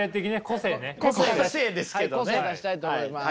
個性出したいと思います。